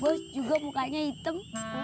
bos juga mukanya hitam